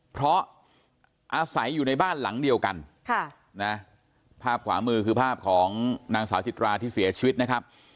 เพราะอาศัยอยู่ในบ้านหลังเดียวกันภาพขวามือคือภาพของนางสาวจิตราที่เสียชีวิตนะครับ